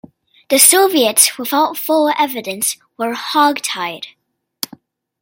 The Soviets, without full evidence, were "hog-tied".